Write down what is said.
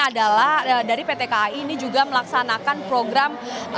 adalah dari pt kai ini juga melaksanakan program